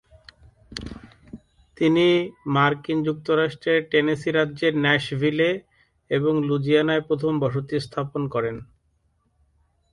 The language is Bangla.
তিনি মার্কিন যুক্তরাষ্ট্রের টেনেসি রাজ্যের ন্যাশভিলে এবং লুইজিয়ানায় প্রথম বসতি স্থাপন করেন।